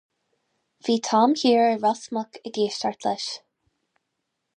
Bhí Tom thiar i Ros Muc ag éisteacht leis.